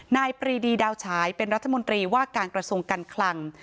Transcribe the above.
ปรีดีดาวฉายเป็นรัฐมนตรีว่าการกระทรวงการคลัง